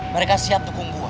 mereka siap tukung buat